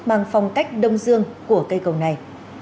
mang phong cách đông dương của cây cầu này